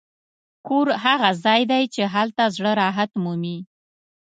کور هغه ځای دی چې هلته زړه راحت مومي.